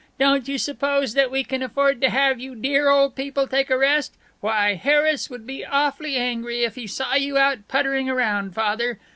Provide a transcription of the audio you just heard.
Don't you suppose that we can afford to have you dear old people take a rest? Why, Harris would be awfully angry if he saw you out puttering around, Father.